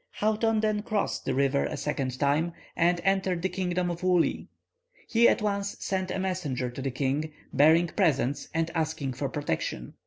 Houghton then crossed the river a second time, and entered the kingdom of Woolli. He at once sent a messenger to the king, bearing presents, and asking for protection.